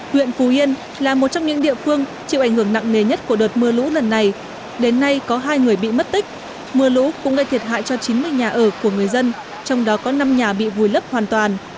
huyện phù yên là một trong những địa phương chịu ảnh hưởng nặng nề nhất của đợt mưa lũ lần này đến nay có hai người bị mất tích mưa lũ cũng gây thiệt hại cho chín mươi nhà ở của người dân trong đó có năm nhà bị vùi lấp hoàn toàn